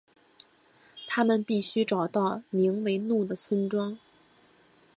他们必须找到名为怒的村庄。